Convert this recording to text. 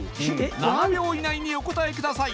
７秒以内にお答えください